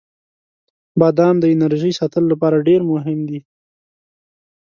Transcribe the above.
• بادام د انرژۍ ساتلو لپاره ډیر مهم دی.